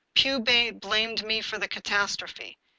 Pugh blamed me for the catastrophe.